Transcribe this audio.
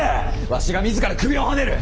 わしが自ら首をはねる！